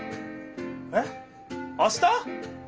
えっあした！？